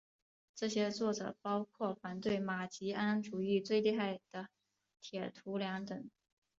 这些作者包括反对马吉安主义最厉害的铁徒良等。